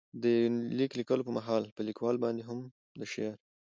دې يونليک ليکلو په مهال، په ليکوال باندې هم د شعر.